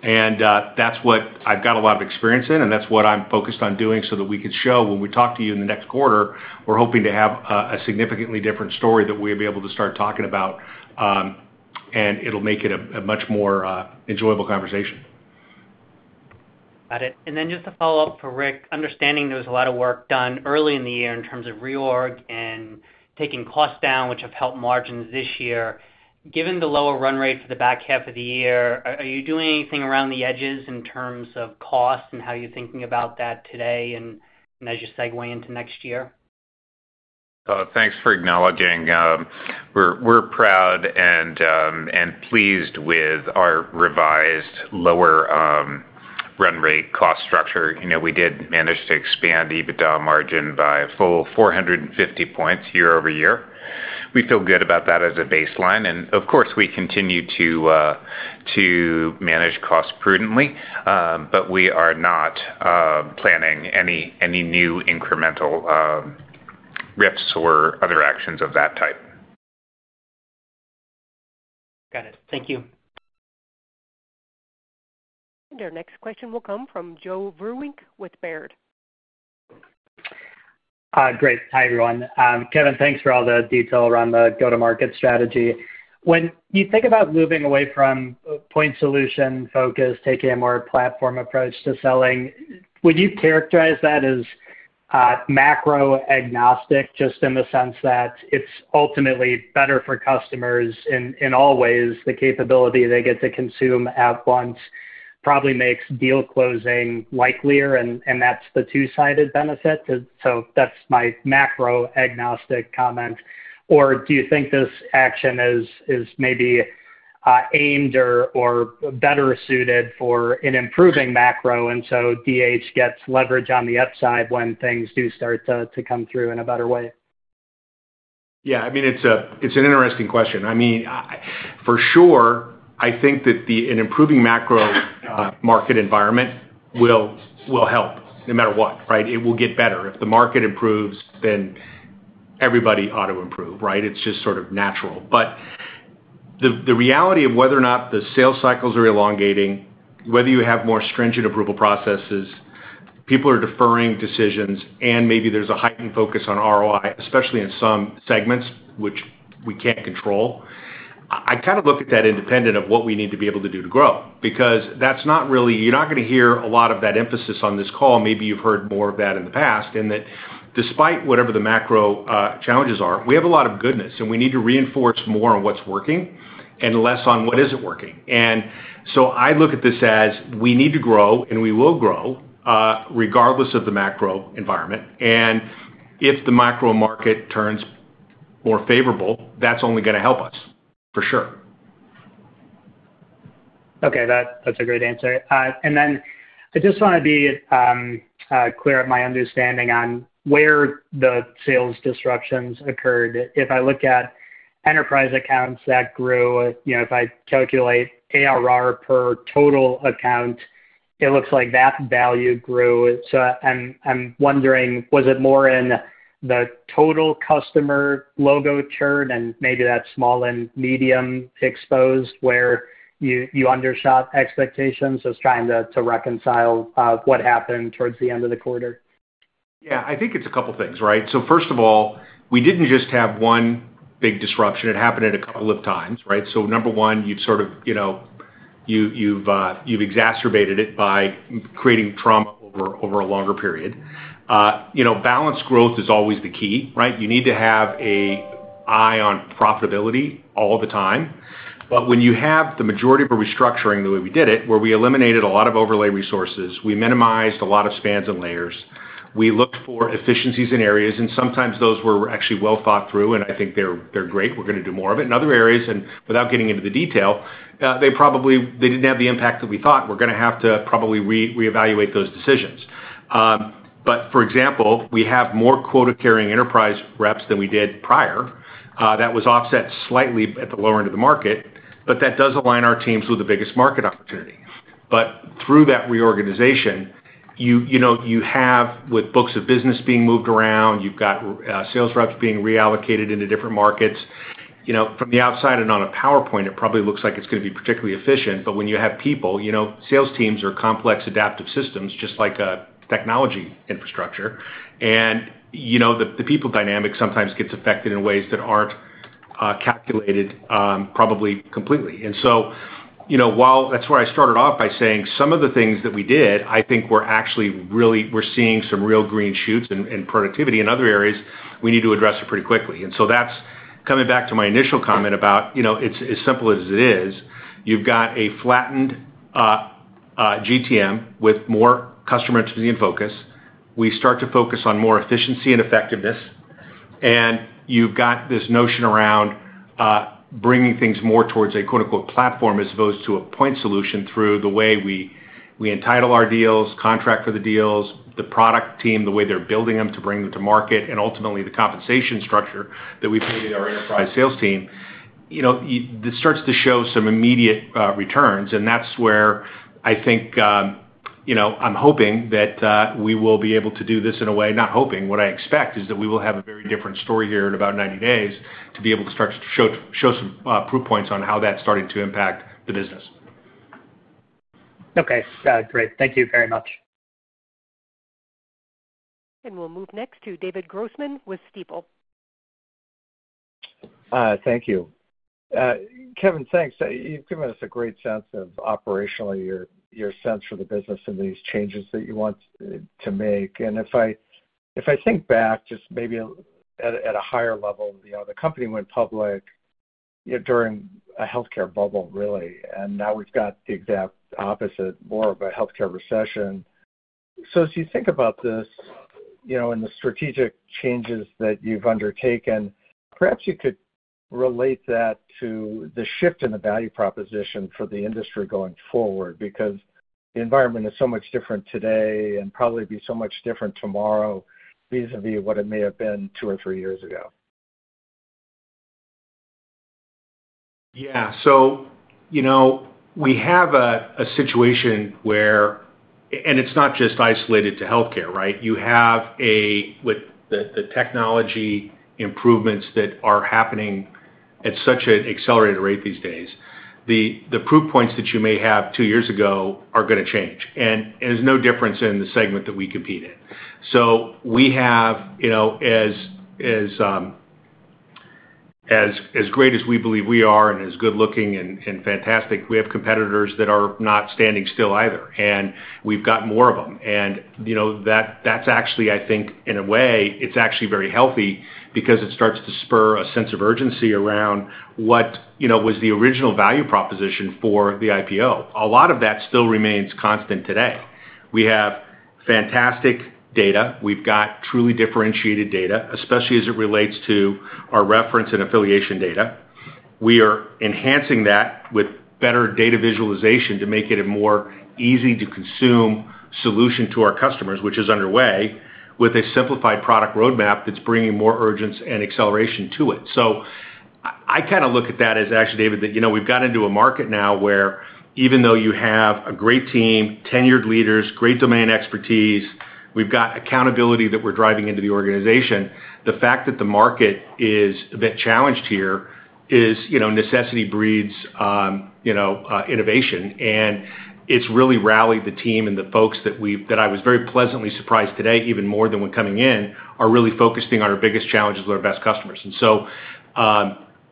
And that's what I've got a lot of experience in, and that's what I'm focused on doing so that we can show when we talk to you in the next quarter, we're hoping to have a significantly different story that we'll be able to start talking about, and it'll make it a much more enjoyable conversation. Got it. Then just a follow-up for Rick. Understanding there was a lot of work done early in the year in terms of reorg and taking costs down, which have helped margins this year. Given the lower run rate for the back half of the year, are you doing anything around the edges in terms of cost and how you're thinking about that today and as you segue into next year? Thanks for acknowledging. We're proud and pleased with our revised lower run rate cost structure. You know, we did manage to expand EBITDA margin by a full 450 points year-over-year. We feel good about that as a baseline, and of course, we continue to manage costs prudently. But we are not planning any new incremental RIFs or other actions of that type. Got it. Thank you. Our next question will come from Joe Vruwink with Baird. Great. Hi, everyone. Kevin, thanks for all the detail around the go-to-market strategy. When you think about moving away from point solution focus, taking a more platform approach to selling, would you characterize that as macro agnostic, just in the sense that it's ultimately better for customers in all ways, the capability they get to consume at once probably makes deal closing likelier, and that's the two-sided benefit? So that's my macro agnostic comment. Or do you think this action is maybe aimed or better suited for an improving macro, and so DH gets leverage on the upside when things do start to come through in a better way? Yeah, I mean, it's an interesting question. I mean, for sure, I think that an improving macro market environment will help no matter what, right? It will get better. If the market improves, then everybody ought to improve, right? It's just sort of natural. But the reality of whether or not the sales cycles are elongating, whether you have more stringent approval processes, people are deferring decisions, and maybe there's a heightened focus on ROI, especially in some segments which we can't control. I kind of look at that independent of what we need to be able to do to grow, because that's not really. You're not gonna hear a lot of that emphasis on this call. Maybe you've heard more of that in the past, and that despite whatever the macro, challenges are, we have a lot of goodness, and we need to reinforce more on what's working and less on what isn't working. And so I look at this as we need to grow, and we will grow, regardless of the macro environment. And if the macro market turns more favorable, that's only gonna help us, for sure. Okay. That's a great answer. And then I just wanna be clear of my understanding on where the sales disruptions occurred. If I look at enterprise accounts that grew, you know, if I calculate ARR per total account, it looks like that value grew. So I'm wondering, was it more in the total customer logo churn and maybe that small and medium exposed where you undershot expectations? Just trying to reconcile what happened towards the end of the quarter. Yeah, I think it's a couple things, right? So first of all, we didn't just have one big disruption. It happened at a couple of times, right? So number one, you've sort of, you know, you've exacerbated it by creating trauma over a longer period. You know, balanced growth is always the key, right? You need to have an eye on profitability all the time. But when you have the majority of a restructuring, the way we did it, where we eliminated a lot of overlay resources, we minimized a lot of spans and layers. We looked for efficiencies in areas, and sometimes those were actually well thought through, and I think they're great. We're gonna do more of it. In other areas, and without getting into the detail, they probably didn't have the impact that we thought. We're gonna have to probably re-evaluate those decisions. But for example, we have more quota-carrying enterprise reps than we did prior. That was offset slightly at the lower end of the market, but that does align our teams with the biggest market opportunity. But through that reorganization, you know, you have, with books of business being moved around, you've got sales reps being reallocated into different markets. You know, from the outside and on a PowerPoint, it probably looks like it's gonna be particularly efficient, but when you have people, you know, sales teams are complex, adaptive systems, just like a technology infrastructure. And you know, the people dynamic sometimes gets affected in ways that aren't calculated, probably completely. And so, you know, while that's where I started off by saying some of the things that we did, I think were actually really- we're seeing some real green shoots and productivity. In other areas, we need to address it pretty quickly. And so that's coming back to my initial comment about, you know, it's as simple as it is. You've got a flattened GTM with more customer intimacy and focus. We start to focus on more efficiency and effectiveness, and you've got this notion around bringing things more towards a, quote, unquote, "platform" as opposed to a point solution through the way we entitle our deals, contract for the deals, the product team, the way they're building them to bring them to market, and ultimately, the compensation structure that we paid our enterprise sales team. You know, it starts to show some immediate returns, and that's where I think, you know, I'm hoping that we will be able to do this in a way. Not hoping, what I expect is that we will have a very different story here in about 90 days, to be able to start to show some proof points on how that's starting to impact the business. Okay. Great. Thank you very much. We'll move next to David Grossman with Stifel. Thank you. Kevin, thanks. You've given us a great sense of operationally your sense for the business and these changes that you want to make. And if I think back, just maybe at a higher level, you know, the company went public, you know, during a healthcare bubble, really, and now we've got the exact opposite, more of a healthcare recession. So as you think about this, you know, and the strategic changes that you've undertaken, perhaps you could relate that to the shift in the value proposition for the industry going forward, because the environment is so much different today and probably be so much different tomorrow, vis-à-vis what it may have been two or three years ago. Yeah, so you know, we have a situation where. And it's not just isolated to healthcare, right? You have a, with the technology improvements that are happening at such an accelerated rate these days, the proof points that you may have two years ago are gonna change, and there's no difference in the segment that we compete in. So we have, you know, as great as we believe we are and as good-looking and fantastic, we have competitors that are not standing still either, and we've got more of them. And, you know, that's actually, I think, in a way, it's actually very healthy because it starts to spur a sense of urgency around what, you know, was the original value proposition for the IPO. A lot of that still remains constant today. We have fantastic data. We've got truly differentiated data, especially as it relates to our reference and affiliation data. We are enhancing that with better data visualization to make it a more easy-to-consume solution to our customers, which is underway, with a simplified product roadmap that's bringing more urgency and acceleration to it. So I kinda look at that as actually, David, you know, we've got into a market now where even though you have a great team, tenured leaders, great domain expertise, we've got accountability that we're driving into the organization. The fact that the market is a bit challenged here is, you know, necessity breeds innovation, and it's really rallied the team and the folks that I was very pleasantly surprised today, even more than when coming in, are really focusing on our biggest challenges with our best customers. And so,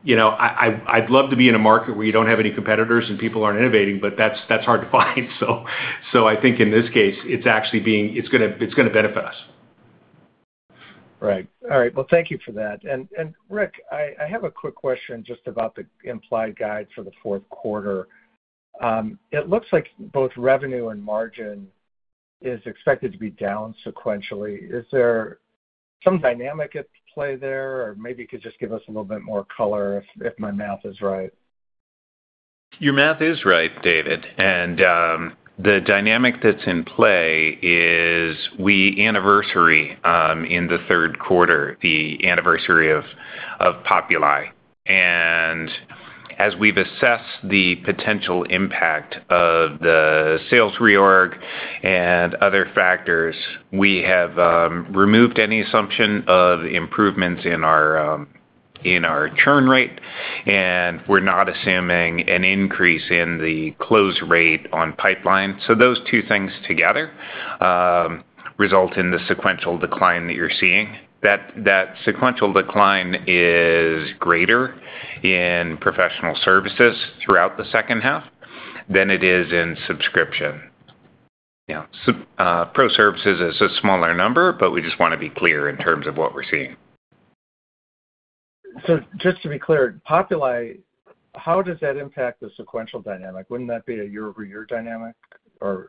you know, I'd love to be in a market where you don't have any competitors and people aren't innovating, but that's hard to find. So I think in this case, it's actually gonna benefit us. Right. All right, well, thank you for that. Rick, I have a quick question just about the implied guide for the fourth quarter. It looks like both revenue and margin is expected to be down sequentially. Is there some dynamic at play there, or maybe you could just give us a little bit more color, if my math is right? Your math is right, David, and the dynamic that's in play is we anniversary in the third quarter, the anniversary of Populi. And as we've assessed the potential impact of the sales reorg and other factors, we have removed any assumption of improvements in our in our churn rate, and we're not assuming an increase in the close rate on pipeline. So those two things together result in the sequential decline that you're seeing. That sequential decline is greater in professional services throughout the second half than it is in subscription. Yeah, so, pro services is a smaller number, but we just wanna be clear in terms of what we're seeing. Just to be clear, Populi, how does that impact the sequential dynamic? Wouldn't that be a year-over-year dynamic, or?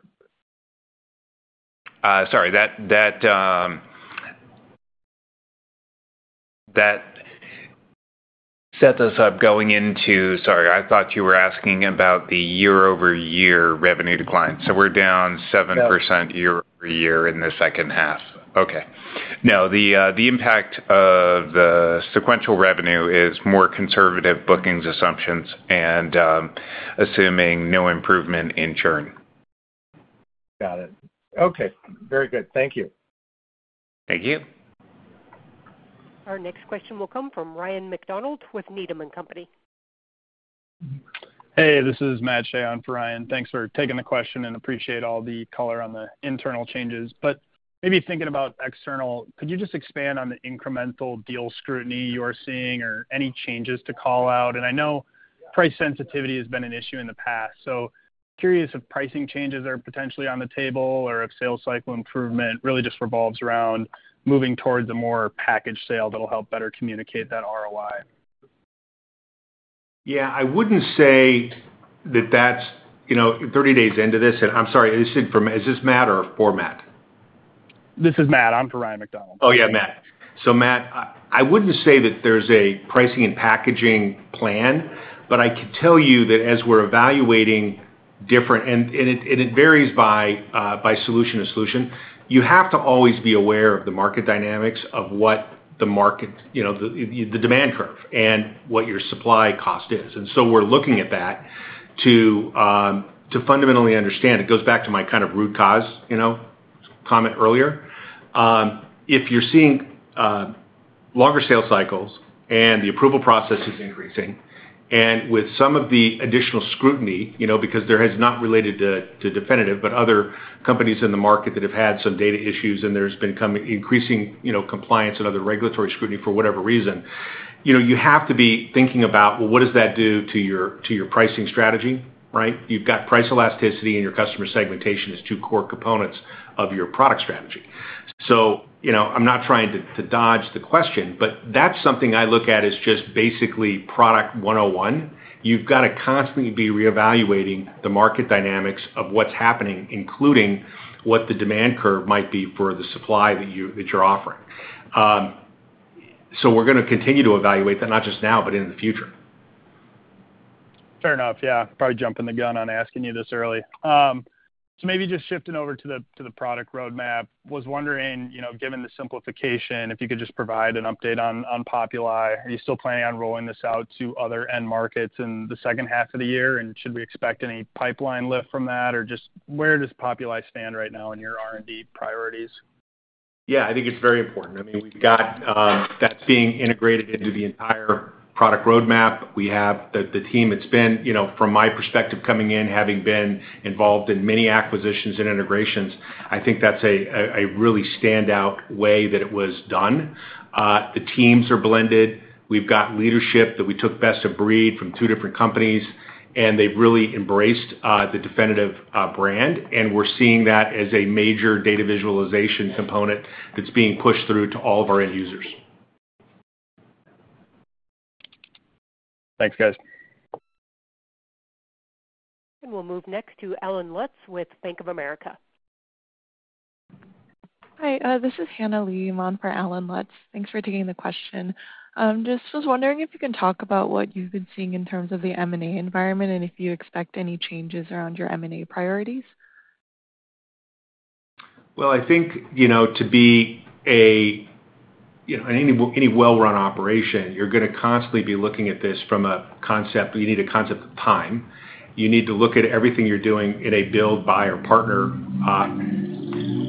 Sorry, that set us up going into, Sorry, I thought you were asking about the year-over-year revenue decline. So we're down 7% year-over-year in the second half. Okay. No, the impact of the sequential revenue is more conservative bookings assumptions and, assuming no improvement in churn. Got it. Okay, very good. Thank you. Thank you. Our next question will come from Ryan MacDonald with Needham & Company. Hey, this is Matt Shea on for Ryan. Thanks for taking the question, and appreciate all the color on the internal changes. But maybe thinking about external, could you just expand on the incremental deal scrutiny you are seeing or any changes to call out? And I know price sensitivity has been an issue in the past, so curious if pricing changes are potentially on the table, or if sales cycle improvement really just revolves around moving towards a more packaged sale that'll help better communicate that ROI. Yeah, I wouldn't say that that's, you know, 30 days into this. And I'm sorry, is this from, is this Matt or for Matt? This is Matt. I'm for Ryan MacDonald. Oh, yeah, Matt. So Matt, I, I wouldn't say that there's a pricing and packaging plan, but I can tell you that as we're evaluating different. And, and it, and it varies by, by solution to solution. You have to always be aware of the market dynamics of what the market, you know, the, the demand curve and what your supply cost is. And so we're looking at that to, to fundamentally understand. It goes back to my kind of root cause, you know, comment earlier. If you're seeing longer sales cycles and the approval process is increasing, and with some of the additional scrutiny, you know, because there has, not related to, to Definitive, but other companies in the market that have had some data issues, and there's been increasing, you know, compliance and other regulatory scrutiny for whatever reason, you know, you have to be thinking about, well, what does that do to your, to your pricing strategy, right? You've got price elasticity, and your customer segmentation is two core components of your product strategy. So, you know, I'm not trying to, to dodge the question, but that's something I look at as just basically product 101. You've got to constantly be reevaluating the market dynamics of what's happening, including what the demand curve might be for the supply that you, that you're offering. We're gonna continue to evaluate that, not just now, but in the future. Fair enough. Yeah, probably jumping the gun on asking you this early. So maybe just shifting over to the product roadmap. Was wondering, you know, given the simplification, if you could just provide an update on Populi. Are you still planning on rolling this out to other end markets in the second half of the year? And should we expect any pipeline lift from that, or just where does Populi stand right now in your R&D priorities? Yeah, I think it's very important. I mean, we've got that's being integrated into the entire product roadmap. We have the team that's been. You know, from my perspective, coming in, having been involved in many acquisitions and integrations, I think that's a really standout way that it was done. The teams are blended. We've got leadership that we took best of breed from two different companies, and they've really embraced the Definitive brand, and we're seeing that as a major data visualization component that's being pushed through to all of our end users. Thanks, guys. We'll move next to Allen Lutz with Bank of America. Hi, this is Hannah Lee on for Allen Lutz. Thanks for taking the question. Just was wondering if you can talk about what you've been seeing in terms of the M&A environment and if you expect any changes around your M&A priorities? Well, I think, you know, to be, you know, any well-run operation, you're gonna constantly be looking at this from a concept... You need a concept of time. You need to look at everything you're doing in a build, buy, or partner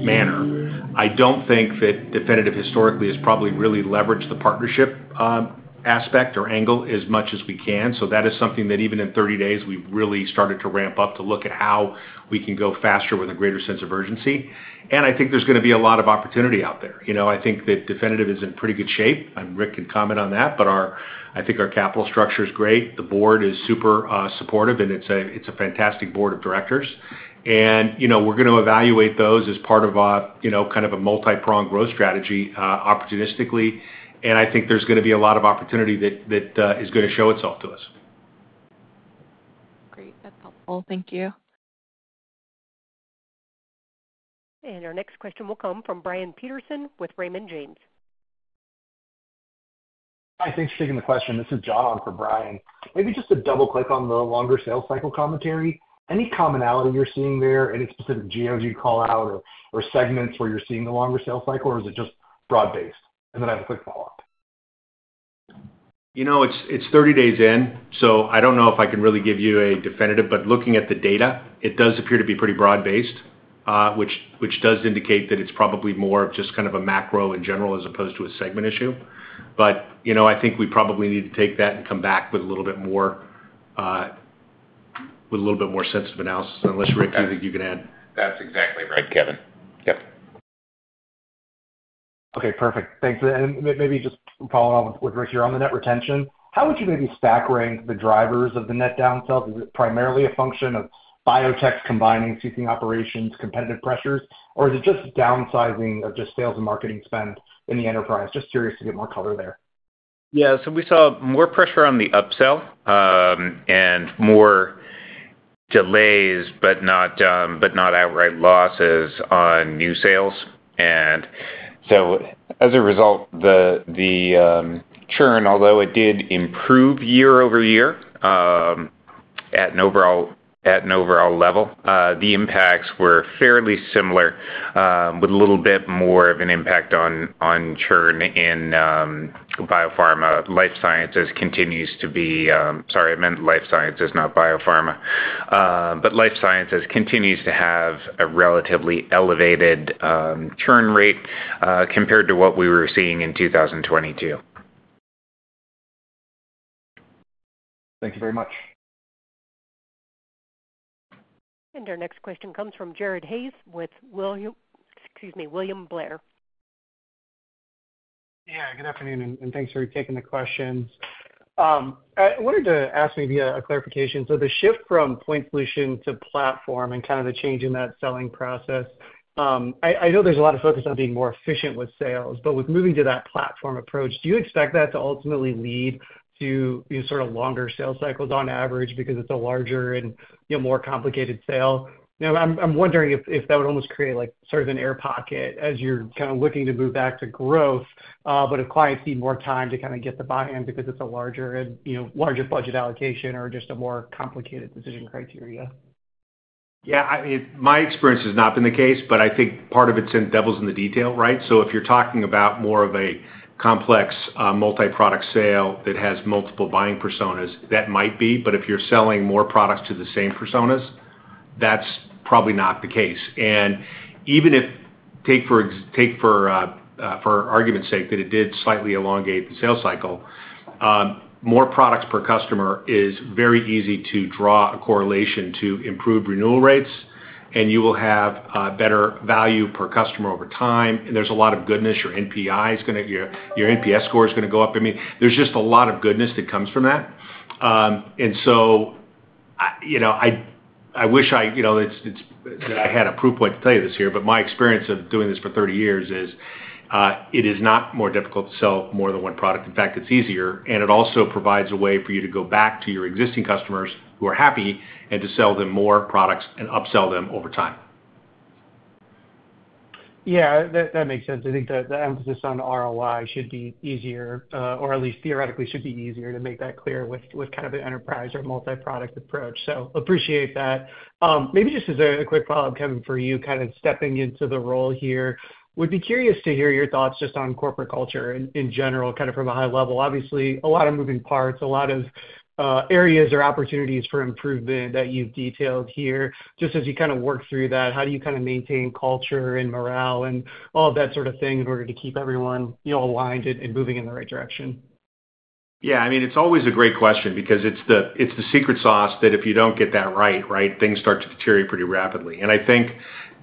manner. I don't think that Definitive historically has probably really leveraged the partnership aspect or angle as much as we can. So that is something that even in 30 days, we've really started to ramp up to look at how we can go faster with a greater sense of urgency. And I think there's gonna be a lot of opportunity out there. You know, I think that Definitive is in pretty good shape, and Rick can comment on that, but our... I think our capital structure is great. The board is super supportive, and it's a fantastic board of directors. You know, we're gonna evaluate those as part of a, you know, kind of a multipronged growth strategy, opportunistically, and I think there's gonna be a lot of opportunity that is gonna show itself to us. Great. That's helpful. Thank you. Our next question will come from Brian Peterson with Raymond James. Hi, thanks for taking the question. This is John on for Brian. Maybe just to double-click on the longer sales cycle commentary, any commonality you're seeing there, any specific geos you'd call out or, or segments where you're seeing the longer sales cycle, or is it just broad-based? And then I have a quick follow-up. You know, it's, it's 30 days in, so I don't know if I can really give you a definitive, but looking at the data, it does appear to be pretty broad-based, which, which does indicate that it's probably more of just kind of a macro in general, as opposed to a segment issue. But, you know, I think we probably need to take that and come back with a little bit more, with a little bit more sense of analysis, unless Rick, you think you can add? That's exactly right, Kevin. Yep. Okay, perfect. Thanks. And maybe just following up with Rick here on the net retention, how would you maybe stack rank the drivers of the net downsell? Is it primarily a function of biotech combining CC operations, competitive pressures, or is it just downsizing of sales and marketing spend in the enterprise? Just curious to get more color there. Yeah. So we saw more pressure on the upsell, and more delays, but not but not outright losses on new sales. And so as a result, the churn, although it did improve year-over-year, at an overall level, the impacts were fairly similar, with a little bit more of an impact on churn in biopharma. Life sciences continues to be—sorry, I meant life sciences, not biopharma. But life sciences continues to have a relatively elevated churn rate compared to what we were seeing in 2022. Thank you very much. Our next question comes from Jared Haase with William—excuse me, William Blair. Yeah, good afternoon, and thanks for taking the questions. I wanted to ask maybe a clarification. So the shift from point solution to platform and kind of the change in that selling process, I know there's a lot of focus on being more efficient with sales, but with moving to that platform approach, do you expect that to ultimately lead to sort of longer sales cycles on average because it's a larger and, you know, more complicated sale? Now, I'm wondering if that would almost create, like, sort of an air pocket as you're kind of looking to move back to growth, but if clients need more time to kind of get the buy-in because it's a larger and, you know, larger budget allocation or just a more complicated decision criteria. Yeah, my experience has not been the case, but I think part of it's in devil's in the detail, right? So if you're talking about more of a complex, multi-product sale that has multiple buying personas, that might be. But if you're selling more products to the same personas, that's probably not the case. And even if, take for argument's sake, that it did slightly elongate the sales cycle, more products per customer is very easy to draw a correlation to improved renewal rates, and you will have better value per customer over time. And there's a lot of goodness. Your NPI is gonna. Your, your NPS score is gonna go up. I mean, there's just a lot of goodness that comes from that. And so, I, you know, wish I, you know, it's that I had a proof point to tell you this here, but my experience of doing this for 30 years is, it is not more difficult to sell more than one product. In fact, it's easier, and it also provides a way for you to go back to your existing customers who are happy and to sell them more products and upsell them over time. Yeah, that, that makes sense. I think the, the emphasis on ROI should be easier, or at least theoretically, should be easier to make that clear with, with kind of an enterprise or multi-product approach. So appreciate that. Maybe just as a quick follow-up, Kevin, for you, kind of stepping into the role here, would be curious to hear your thoughts just on corporate culture in, in general, kind of from a high level. Obviously, a lot of moving parts, a lot of, areas or opportunities for improvement that you've detailed here. Just as you kind of work through that, how do you kind of maintain culture and morale and all of that sort of thing in order to keep everyone, you know, aligned and, and moving in the right direction? Yeah, I mean, it's always a great question because it's the secret sauce that if you don't get that right, right, things start to deteriorate pretty rapidly. And I think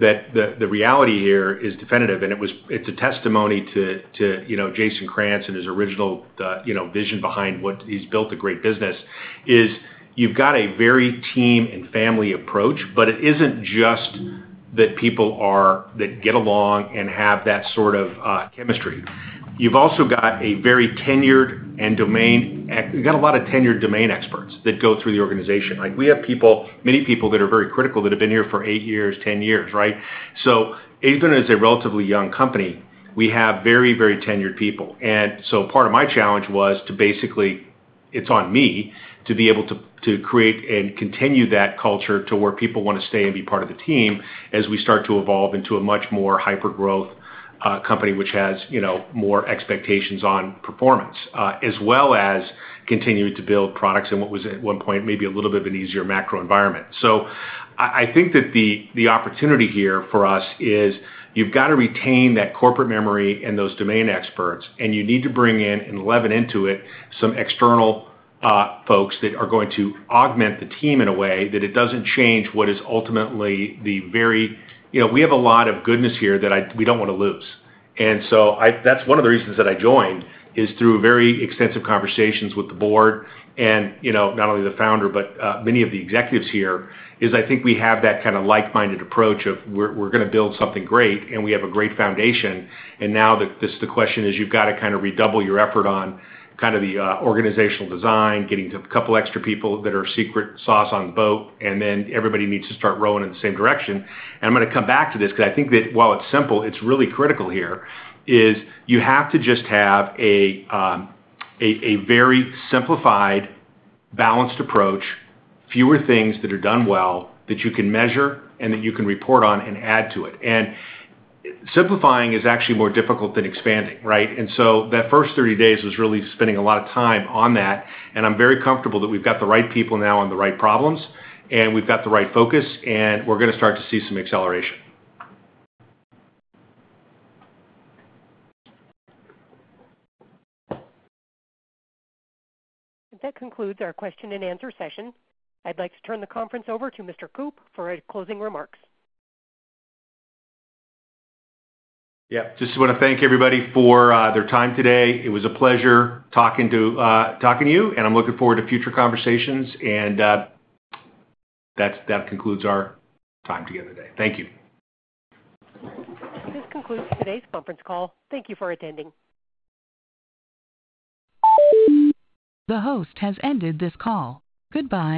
that the reality here is Definitive, and it was, it's a testimony to, you know, Jason Krantz and his original, you know, vision behind what he's built a great business, is you've got a very team and family approach, but it isn't just that people are that get along and have that sort of chemistry. You've also got a very tenured and domain, you've got a lot of tenured domain experts that go through the organization. Like, we have people, many people that are very critical, that have been here for eight years, 10 years, right? So even as a relatively young company, we have very, very tenured people. Part of my challenge was to basically, it's on me, to be able to, to create and continue that culture to where people want to stay and be part of the team as we start to evolve into a much more hyper-growth company, which has, you know, more expectations on performance, as well as continuing to build products and what was at one point, maybe a little bit of an easier macro environment. I think that the opportunity here for us is, you've got to retain that corporate memory and those domain experts, and you need to bring in and leaven into it some external folks that are going to augment the team in a way that it doesn't change what is ultimately the very- you know, we have a lot of goodness here that I- we don't want to lose. And so that's one of the reasons that I joined, is through very extensive conversations with the board and, you know, not only the founder, but many of the executives here, is I think we have that kind of like-minded approach of we're, we're gonna build something great, and we have a great foundation. And now, this, the question is, you've got to kind of redouble your effort on kind of the organizational design, getting a couple extra people that are secret sauce on the boat, and then everybody needs to start rowing in the same direction. And I'm gonna come back to this, because I think that while it's simple, it's really critical here, is you have to just have a very simplified, balanced approach, fewer things that are done well, that you can measure and that you can report on and add to it. And simplifying is actually more difficult than expanding, right? And so that first 30 days was really spending a lot of time on that, and I'm very comfortable that we've got the right people now on the right problems, and we've got the right focus, and we're gonna start to see some acceleration. That concludes our question and answer session. I'd like to turn the conference over to Mr. Coop for his closing remarks. Yeah, just wanna thank everybody for their time today. It was a pleasure talking to talking to you, and I'm looking forward to future conversations. And, that's, that concludes our time together today. Thank you. This concludes today's conference call. Thank you for attending. The host has ended this call. Goodbye.